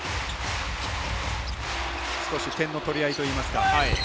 少し点の取り合いといいますか。